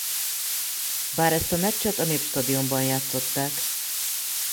Bár ezt a meccset a Népstadionban játszották.